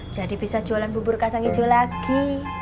jadi bisa jualan bubur kasang hijau lagi